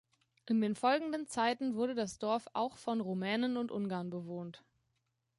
In den folgenden Zeiten wurde das Dorf auch von Rumänen und Ungarn bewohnt.